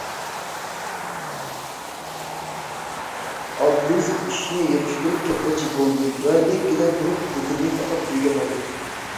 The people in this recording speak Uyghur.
ئابلىز ئىشىنى يىغىشتۇرۇپ كەتمەكچى بولدى ۋە لىككىدە تۇرۇپ، دۇكىنىنى تاقاپ ئۆيىگە ماڭدى.